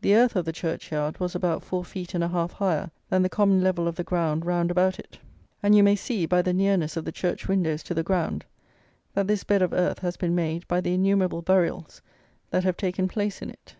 The earth of the church yard was about four feet and a half higher than the common level of the ground round about it; and you may see, by the nearness of the church windows to the ground, that this bed of earth has been made by the innumerable burials that have taken place in it.